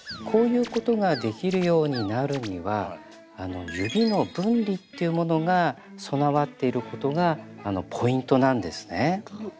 こういうことができるようになるには「指の分離」というものが備わっていることがポイントなんですね。